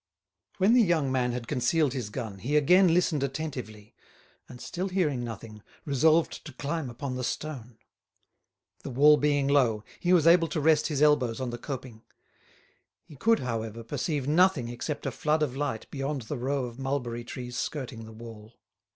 When the young man had concealed his gun he again listened attentively, and still hearing nothing, resolved to climb upon the stone. The wall being low, he was able to rest his elbows on the coping. He could, however, perceive nothing except a flood of light beyond the row of mulberry trees skirting the wall.